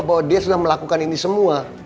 bahwa dia sudah melakukan ini semua